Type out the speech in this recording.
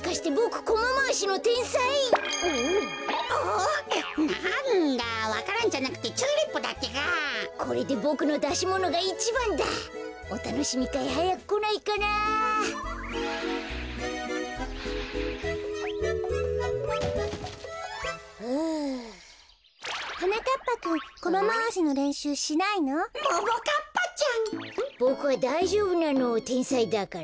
ボクはだいじょうぶなのてんさいだから。